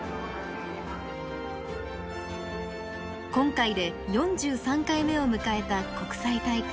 今回で４３回目を迎えた国際大会。